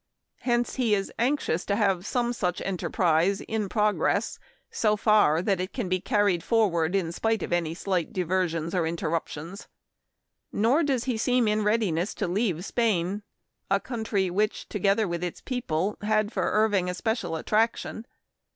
Hence he is anxious to have some such enterprise in progress so far that it can be carried for ward in spite of any slight diversions or inter ruptions. Nor does he seem in readiness to leave Spain, a country which, together with its people, had for Irving a special attraction.